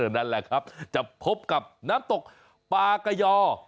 นั่นแหละครับจะพบกับน้ำตกปลากะยอ